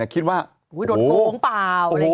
คิดว่าโหโหโหแบบ